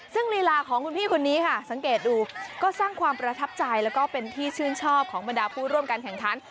ซึ่งลีลาของคุณพี่คนนี้ค่ะสังเกตดูก็สร้างความประทับใจแล้วก็เป็นที่ชื่นชอบของบรรดาผู้ร่วมการแข่งขัน